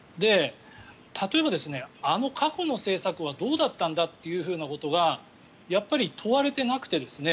例えばあの過去の政策はどうなんだということがやっぱり問われてなくてですね。